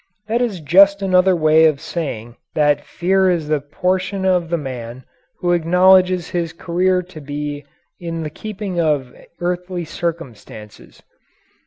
That is just another way of saying that fear is the portion of the man who acknowledges his career to be in the keeping of earthly circumstances.